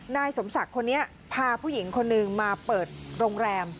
นายสมศักดิ์คนนี้พาผู้หญิงคนหนึ่งมาเปิดโรงแรม